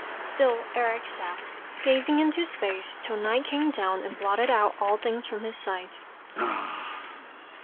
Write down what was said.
Still Eric sat, gazing into space, till night came down and blotted out all things from his sight.